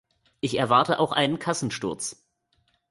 Ich erwarte auch einen Kassensturz.